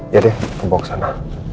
ya deh aku bawa ke sana